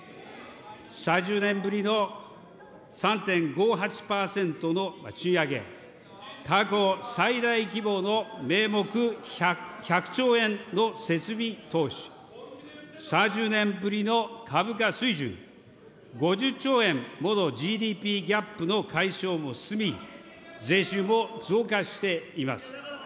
３０年ぶりの３．５８％の賃上げ、過去最大規模の名目１００兆円の設備投資、３０年ぶりの株価水準、５０兆円ものＧＤＰギャップの解消も進み、税収も増加しています。